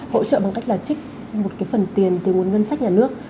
hỗ trợ bằng cách là trích một cái phần tiền từ nguồn ngân sách nhà nước